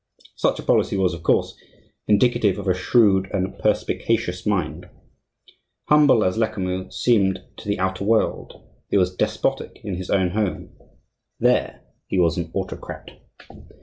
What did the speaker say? Such a policy was, of course, indicative of a shrewd and perspicacious mind. Humble as Lecamus seemed to the outer world, he was despotic in his own home; there he was an autocrat.